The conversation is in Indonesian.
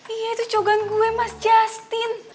iya itu cogan gue mas justin